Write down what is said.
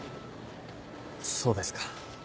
そうですか。